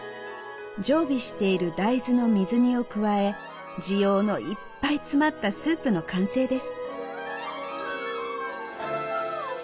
常備している大豆の水煮を加え滋養のいっぱい詰まったスープの完成です。